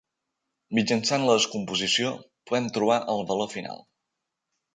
Mitjançant la descomposició, podem trobar el valor final.